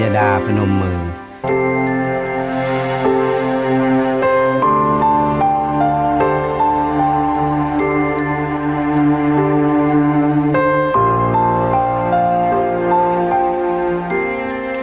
และได้เปลี่ยนรอยบุคคลบซักขวัญ